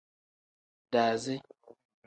Daazi.